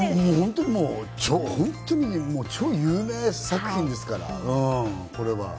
本当に超有名作品ですから、これは。